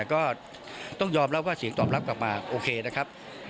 ก็ต้องยอมรับว่าเสียงตอบรับกลับมาโอเคนะครับ